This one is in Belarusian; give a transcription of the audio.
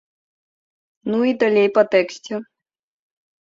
Ну і далей па тэксце.